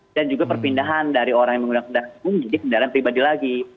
dan juga perpindahan dari orang yang menggunakan kendaraan ekonomi menjadi kendaraan pribadi lagi